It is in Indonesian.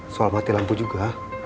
soal mati lampu juga